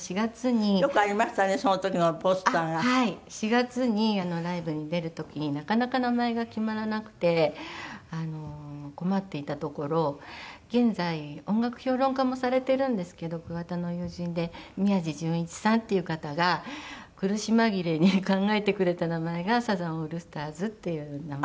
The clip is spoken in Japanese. ４月にライブに出る時になかなか名前が決まらなくて困っていたところ現在音楽評論家もされているんですけど桑田の友人で宮治淳一さんっていう方が苦し紛れに考えてくれた名前がサザンオールスターズっていう名前だった。